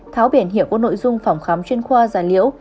tháo biển hiệu có nội dung phòng khám chuyên khoa giả liễu